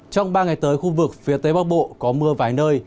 trong ba ngày tới khu vực phía tây bắc bộ có mưa vài nơi